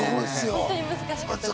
ホントに難しかったです。